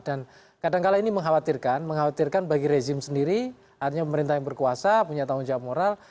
dan kadang kadang ini mengkhawatirkan mengkhawatirkan bagi rezim sendiri artinya pemerintah yang berkuasa punya tanggung jawab